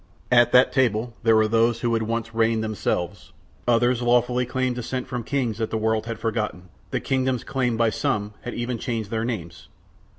At that table there were those who had once reigned themselves, others lawfully claimed descent from kings that the world had forgotten, the kingdoms claimed by some had even changed their names.